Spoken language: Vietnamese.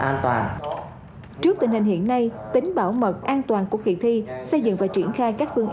an toàn trước tình hình hiện nay tính bảo mật an toàn của kỳ thi xây dựng và triển khai các phương